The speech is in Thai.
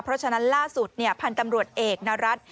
เพราะฉะนั้นล่าสุดพันธ์ตำรวจเอกนรัฐ